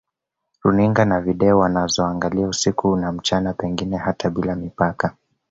Runinga na Video wanazoangalia usiku na mchana pengine hata bila mipaka